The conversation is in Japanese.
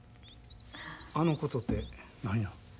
あのことて何や？